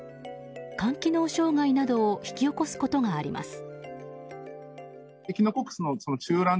肝機能障害などを引き起こすことがあります。